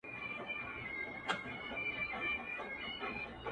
دې سړو وینو ته مي اور ورکړه٫